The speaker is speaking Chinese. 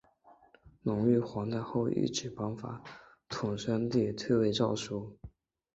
隆裕皇太后懿旨颁布宣统帝退位诏书。